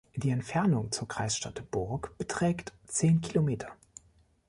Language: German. Die Entfernung zur Kreisstadt Burg beträgt zehn Kilometer.